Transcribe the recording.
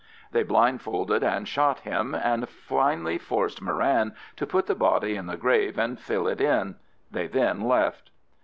They blindfolded and shot him, and finally forced Moran to put the body in the grave and fill it in. They then left.